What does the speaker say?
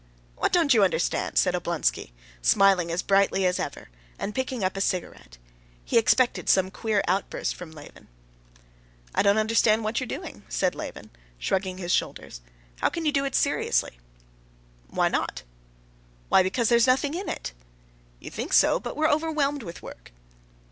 "What don't you understand?" said Oblonsky, smiling as brightly as ever, and picking up a cigarette. He expected some queer outburst from Levin. "I don't understand what you are doing," said Levin, shrugging his shoulders. "How can you do it seriously?" "Why not?" "Why, because there's nothing in it." "You think so, but we're overwhelmed with work."